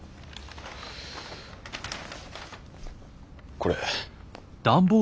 これ。